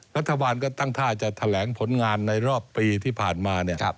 รัฐบาลก็ตั้งท่าจะแถลงผลงานในรอบปีที่ผ่านมา